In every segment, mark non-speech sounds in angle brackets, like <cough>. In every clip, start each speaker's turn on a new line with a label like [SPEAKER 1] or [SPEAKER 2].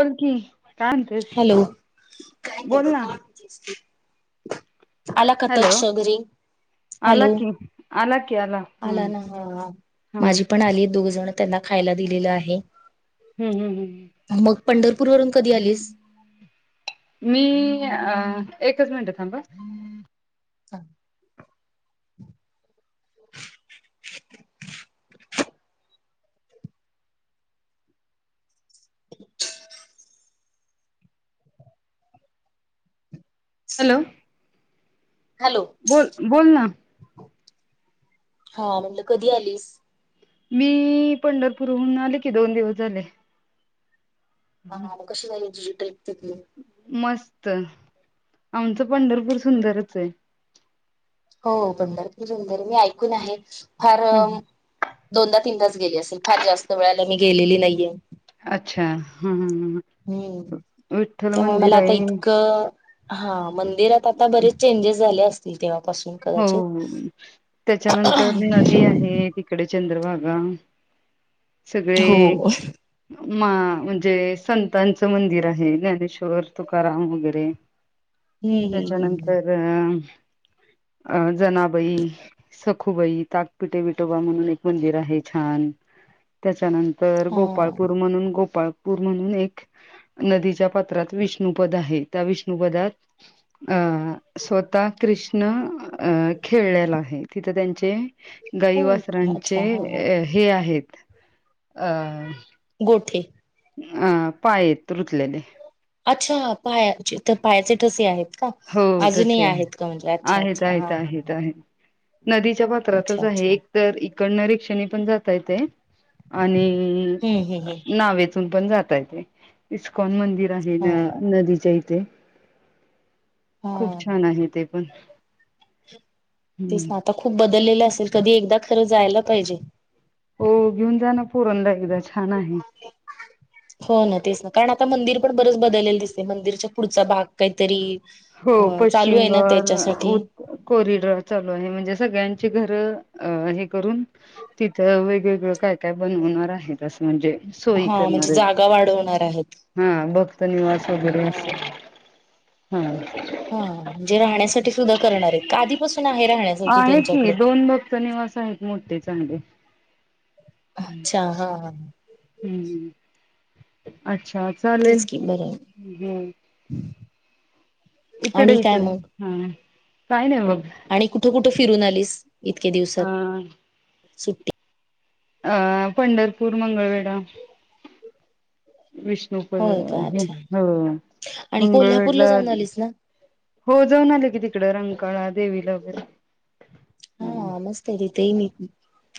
[SPEAKER 1] बोल की काय म्हणतेस
[SPEAKER 2] हॅलो
[SPEAKER 1] बोल ना
[SPEAKER 2] आला का
[SPEAKER 1] हॅलो
[SPEAKER 2] तकसं घरी
[SPEAKER 1] आला
[SPEAKER 2] हॅलो
[SPEAKER 1] की आला की
[SPEAKER 2] आला
[SPEAKER 1] हम्म
[SPEAKER 2] ना हो
[SPEAKER 1] हम्म
[SPEAKER 2] माझी पण आलीत दोघ जण त्यांना खायला दिलेलं आहे
[SPEAKER 1] हम्म हम्म हम्म
[SPEAKER 2] मग पंढरपूर वरून कधी आलीस?
[SPEAKER 1] मी अ एकच मिनटं थांब
[SPEAKER 2] <unintelligible> <unintelligible>
[SPEAKER 1] हॅलो
[SPEAKER 2] हॅलो
[SPEAKER 1] बोल बोल ना
[SPEAKER 2] हा म्हणजे कधी आलीस?
[SPEAKER 1] मी पंढरपूरहून आले की दोन दिवस झाले.
[SPEAKER 2] हा कशी झाली तुझी ट्रिप तिथली
[SPEAKER 1] मस्त आमचं पंढरपूर सुंदरच आहे.
[SPEAKER 2] हो पंढरपूर सुदंर आहे मी ऐकून आहे फार
[SPEAKER 1] हम्म
[SPEAKER 2] दोनदा तीन तास गेली असेल फार जास्त वेळाला मी गेलेली नाहीये.
[SPEAKER 1] अच्छा हम्म
[SPEAKER 2] हम्म
[SPEAKER 1] विठ्ठल
[SPEAKER 2] त्यामुळे
[SPEAKER 1] मंदिर
[SPEAKER 2] मला आता
[SPEAKER 1] आहे
[SPEAKER 2] इतकं हा मंदिरात आता बरेच चेंजेस झाले असतील तेव्हापासून
[SPEAKER 1] हो
[SPEAKER 2] कदाचित
[SPEAKER 1] त्याच्यानंतर नदी आहेत. तिकडे चंद्रभागा
[SPEAKER 2] हो
[SPEAKER 1] सगळे मा म्हणजे संतांचं मंदिर आहे ज्ञानेश्वर तुकाराम वगैरे.
[SPEAKER 2] <unintelligible> हम्म हम्म
[SPEAKER 1] त्याच्यानंतर अ अं जनाबाई सखुबाई, ताकपिटे विटोबा म्हणून एक मंदिर आहे छान. त्याच्यानंतर
[SPEAKER 2] हा
[SPEAKER 1] गोपाळपूर म्हणून गोपाळ पूर म्हणून एक नदीच्या पात्रात विष्णुपद आहे त्या विष्णुपदात अ स्वतः कृष्ण अ खेळलेला आहे तिथं त्यांचे गाई
[SPEAKER 2] हो का?
[SPEAKER 1] वासारांचे
[SPEAKER 2] अच्छा हा हा
[SPEAKER 1] हे आहेत. अ
[SPEAKER 2] गोठे
[SPEAKER 1] अ पाय येत रुतलेले.
[SPEAKER 2] अच्छा पाया त पायाचे ठसे आहेत. का
[SPEAKER 1] हो
[SPEAKER 2] अजूनही
[SPEAKER 1] ठसे आहे
[SPEAKER 2] आहेत का म्हणजे अच्छा
[SPEAKER 1] आहेत,
[SPEAKER 2] अच्छा
[SPEAKER 1] आहेत,
[SPEAKER 2] हा हा.
[SPEAKER 1] आहेत, आहेत. नदीच्या
[SPEAKER 2] अच्छा
[SPEAKER 1] पात्रातच आहे
[SPEAKER 2] अच्छा
[SPEAKER 1] एक तर इकडन रिक्षानी पण जात ता येतय आणि
[SPEAKER 2] हम्म हम्म हम्म
[SPEAKER 1] नावेत पण जाता ये इस्कॉन मंदिर आहे न
[SPEAKER 2] हा
[SPEAKER 1] नदीच्या इथे खूप
[SPEAKER 2] हा
[SPEAKER 1] छान आहे ते पण
[SPEAKER 2] तेच
[SPEAKER 1] हम्म.
[SPEAKER 2] ना आता खूप बदललेलं असेल कधी एकदा खरं जायला पाहिजे.
[SPEAKER 1] हो घेऊन जा ना पोरांना एकदा छान आहे.
[SPEAKER 2] हो ना तेच ना कारण आता मंदिर पण बरंच बदलेलं दिसते मंदिरच्या पुढचा भाग काहीतरी
[SPEAKER 1] हो
[SPEAKER 2] अ चालू आहे
[SPEAKER 1] पश्चिम
[SPEAKER 2] ना त्याच्यासाठी
[SPEAKER 1] उत कॉरिडॉर चालू आहे म्हणजे सगळ्यांची घरं अ हे करून तिथं वेगवेगळं काय काय बनवणार आहे. तस म्हणजे सोयी
[SPEAKER 2] हा म्हणजे
[SPEAKER 1] करणार आहे.
[SPEAKER 2] जागा वाढवणार आहेत
[SPEAKER 1] हा भक्त निवास वगैरे
[SPEAKER 2] हा
[SPEAKER 1] अस. हम्!
[SPEAKER 2] हा म्हणजे राहण्यासाठी सुद्धा करणार आहे आधीपासून आहे राहण्यासाठी
[SPEAKER 1] आहे
[SPEAKER 2] त्यांच्या
[SPEAKER 1] दोन भक्त निवास आहेत. मोठे चांगले हम्म.
[SPEAKER 2] अच्छा हा हां!
[SPEAKER 1] हम्म! अच्छा!
[SPEAKER 2] तेच
[SPEAKER 1] चालेल
[SPEAKER 2] की बरं
[SPEAKER 1] ह्. इकडे
[SPEAKER 2] आणि काय
[SPEAKER 1] इकडे
[SPEAKER 2] मग
[SPEAKER 1] हा काही नाही बघ.
[SPEAKER 2] आणि कुठं कुठं फिरून आलीस इतक्या दिवसात
[SPEAKER 1] अ
[SPEAKER 2] सुट्टी
[SPEAKER 1] अ पंढरपूर, मंगळवेढा विष्णू <unintelligible>
[SPEAKER 2] होय का
[SPEAKER 1] हे
[SPEAKER 2] अच्छा
[SPEAKER 1] ह
[SPEAKER 2] आणि कोल्हापूरला
[SPEAKER 1] मंगळवेढा
[SPEAKER 2] जाऊन आलीस ना
[SPEAKER 1] हो जाऊन आले की तिकडे रंगकाळा देवीला वगैरे
[SPEAKER 2] हा मस्त आहे तिथे मी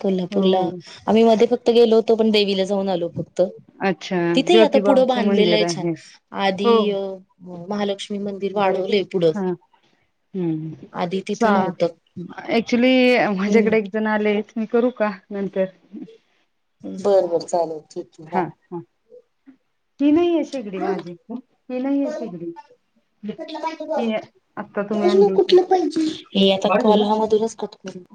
[SPEAKER 2] कोल्हापूरला
[SPEAKER 1] हो
[SPEAKER 2] आम्ही मध्ये फक्त गेलोतो पण देवीला जाऊन आलो फक्त
[SPEAKER 1] अच्छा
[SPEAKER 2] तिथेही आता पुढं
[SPEAKER 1] ज्योतिबाचं
[SPEAKER 2] बांधलेलं
[SPEAKER 1] मंदिर
[SPEAKER 2] आहे छान आधी
[SPEAKER 1] हो
[SPEAKER 2] महालक्ष्मी मी मंदिर वाढवले पुढं
[SPEAKER 1] हा हम्म
[SPEAKER 2] आधी तिथं
[SPEAKER 1] चा
[SPEAKER 2] नव्हतं.
[SPEAKER 1] ऍक्च्युली
[SPEAKER 2] हम्म
[SPEAKER 1] माझ्याकडे एक जण आले मी करू का नंतर ह्
[SPEAKER 2] बर बर चालेल ठीक
[SPEAKER 1] हा
[SPEAKER 2] आहे
[SPEAKER 1] हा. ही नाही आहेे शेगडी
[SPEAKER 2] हा
[SPEAKER 1] माझी ही नाहीये शेगडी. ही आत्ता तुम्ही आणली होती. भारी आहे ना अशी
[SPEAKER 2] <inaudible>